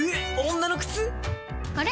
女の靴⁉あれ？